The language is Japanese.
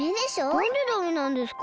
なんでダメなんですか？